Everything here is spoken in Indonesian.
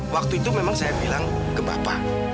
waktu itu memang saya bilang ke bapak